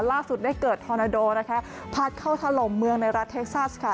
ล่าสุดได้เกิดทอนาโดนะคะพัดเข้าถล่มเมืองในรัฐเท็กซัสค่ะ